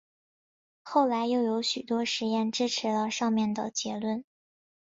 后来又有许多实验支持了上面的结论。